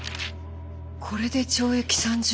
これで懲役３０年か。